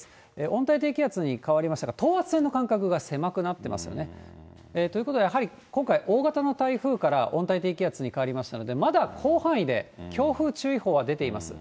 温帯低気圧に変わりましたが、等圧線の間隔が狭くなってますよね。ということは、やはり、今回、大型の台風から温帯低気圧に変わりましたので、まだ広範囲で強風注意報が出ています。